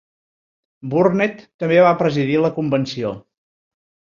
Burnett també va presidir la convenció.